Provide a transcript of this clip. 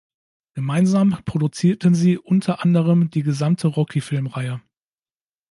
Gemeinsam produzierten sie unter anderem die gesamte Rocky-Filmreihe.